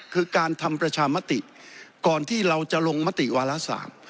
คือการทำประชามติก่อนที่เราจะลงมติวาระสาม